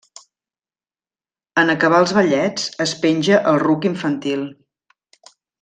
En acabar els ballets es penja el ruc infantil.